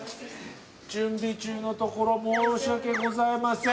準備中のところ申し訳ございません